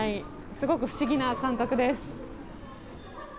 すごく不思議な感覚です。